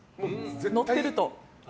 乗ってると。